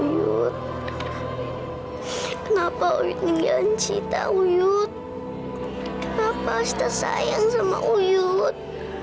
uyut kenapa uyut ninggalin sita uyut kenapa sita sayang sama uyut